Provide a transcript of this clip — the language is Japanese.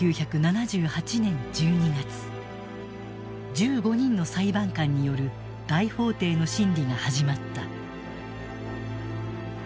１５人の裁判官による大法廷の審理が始まった。